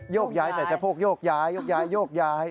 โยกย้ายใส่แช่โพกโยกย้าย